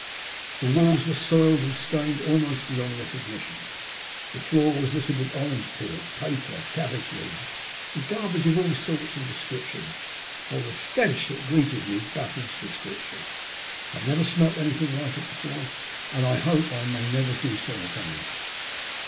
The walls were soiled and stained almost beyond recognition ; the floor was littered with orange peel, paper, cabbage leaves, and garbage of all sorts and descriptions, while the stench that greeted me baffles description. I have never smelled anything like it before, and I hope I may never do so again.